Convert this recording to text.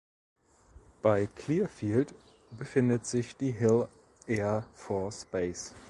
Bei Clearfield befindet sich die Hill Air Force Base.